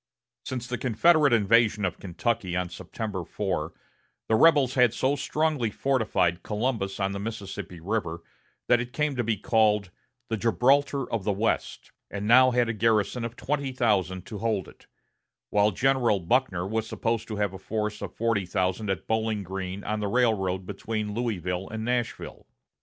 Since the Confederate invasion of Kentucky on September 4, the rebels had so strongly fortified Columbus on the Mississippi River that it came to be called the "Gibraltar of the West," and now had a garrison of twenty thousand to hold it; while General Buckner was supposed to have a force of forty thousand at Bowling Green on the railroad between Louisville and Nashville.